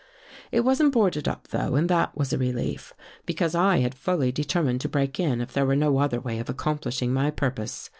" It wasn't boarded up, though, and that was a relief; because I had fully determined to break in if there were no other way of accomplishing my purpose.